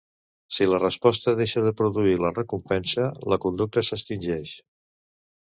Si la resposta deixa de produir la recompensa, la conducta s'extingeix.